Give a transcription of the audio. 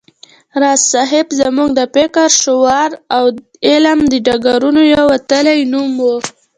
راز صيب زموږ د فکر، شعور او علم د ډګرونو یو وتلی نوم و